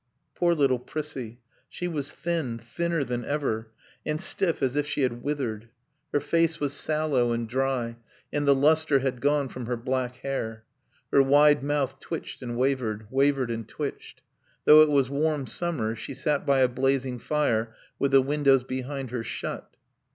Poor little Prissie. She was thin, thinner than ever, and stiff as if she had withered. Her face was sallow and dry, and the luster had gone from her black hair. Her wide mouth twitched and wavered, wavered and twitched. Though it was warm summer she sat by a blazing fire with the windows behind her shut.